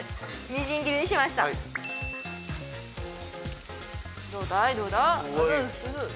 みじん切りにしましたどうだい？